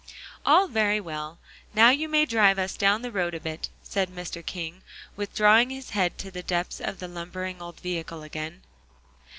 "All very well. Now you may drive us down the road a bit," said Mr. King, withdrawing his head to the depths of the lumbering old vehicle again.